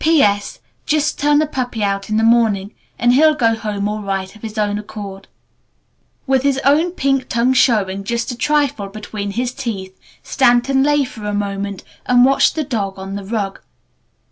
"P. S. Just turn the puppy out in the morning and he'll go home all right of his own accord." With his own pink tongue showing just a trifle between his teeth, Stanton lay for a moment and watched the dog on the rug.